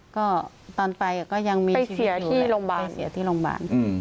ก็ตอนไปก็ยังมีชีวิตอยู่แล้วไปเสียที่โรงบาร